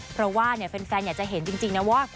เพราะว่าแฟนอยากจะเห็นจริงนะว่า